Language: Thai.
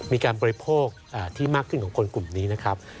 บริโภคที่มากขึ้นของคนกลุ่มนี้นะครับ